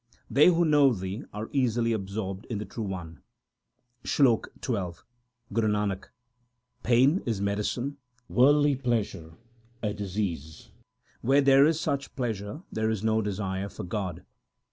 They who know Thee are easily absorbed in the True One. SLOK XII Guru Nanak Pain is medicine, worldly pleasure a disease ; where there is such pleasure, there is no desire for God.